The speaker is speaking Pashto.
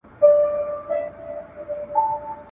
ګوندي وي په یوه کونج کي وکړي دمه `